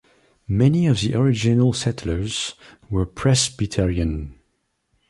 Many of the original settlers were Presbyterian.